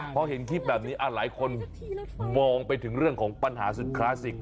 พอเห็นคลิปแบบนี้หลายคนมองไปถึงเรื่องของปัญหาสุดคลาสสิก